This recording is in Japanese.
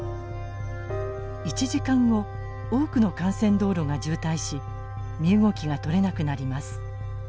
１時間後多くの幹線道路が渋滞し身動きが取れなくなります。